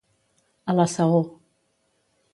A la saó.